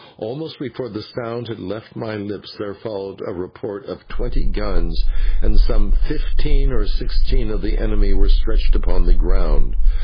Almost before the sound had left my lips, there followed a report of twenty guns, and some fifteen or sixteen of the enemy were stretched upon the ground.